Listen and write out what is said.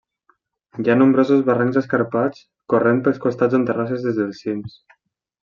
Hi ha nombrosos barrancs escarpats corrent pels costats en terrasses des dels cims.